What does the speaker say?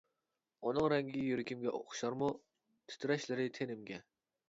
ئۇنىڭ رەڭگى يۈرىكىمگە ئوخشارمۇ؟ تىترەشلىرى تېنىمگە.